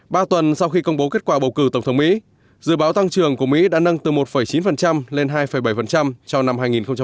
ba tuần sau khi công bố kết quả bầu cử tổng thống mỹ dự báo tăng trường của mỹ đã nâng từ một chín lên hai bảy cho năm hai nghìn một mươi bảy